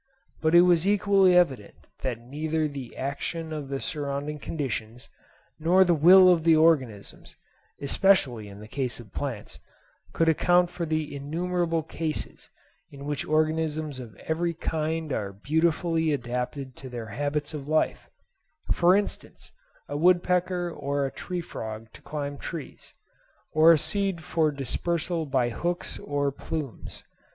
But it was equally evident that neither the action of the surrounding conditions, nor the will of the organisms (especially in the case of plants) could account for the innumerable cases in which organisms of every kind are beautifully adapted to their habits of life—for instance, a woodpecker or a tree frog to climb trees, or a seed for dispersal by hooks or plumes.